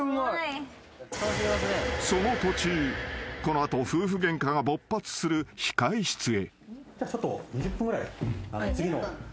［その途中この後夫婦ゲンカが勃発する控室へ］